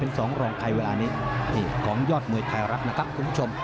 เป็นสองรองใครเวลานี้นี่ของยอดมวยไทยรัฐนะครับคุณผู้ชม